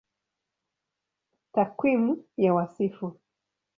Takwimu ya Wasifu